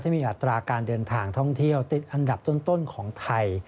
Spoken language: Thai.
มีอัตราการเดินทางท่องเที่ยวติดอันดับต้นของไทย